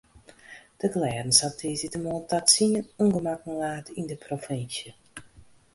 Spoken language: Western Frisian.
De glêdens hat tiissdeitemoarn ta tsien ûngemakken laat yn de provinsje.